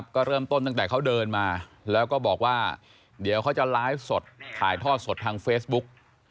ก็เริ่มต้นตั้งแต่เขาเดินมาแล้วก็บอกว่าเดี๋ยวเขาจะไลฟ์สดถ่ายทอดสดทางเฟซบุ๊ก